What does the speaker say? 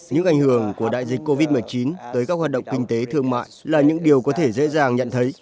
những ảnh hưởng của đại dịch covid một mươi chín tới các hoạt động kinh tế thương mại là những điều có thể dễ dàng nhận thấy